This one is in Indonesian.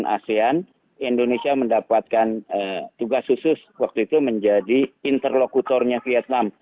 di asean indonesia mendapatkan tugas khusus waktu itu menjadi interlokutornya vietnam